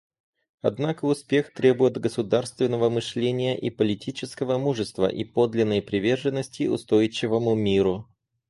Однако успех требует государственного мышления и политического мужества и подлинной приверженности устойчивому миру.